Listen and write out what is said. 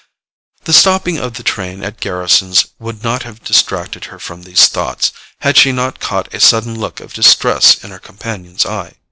The stopping of the train at Garrisons would not have distracted her from these thoughts, had she not caught a sudden look of distress in her companion's eye.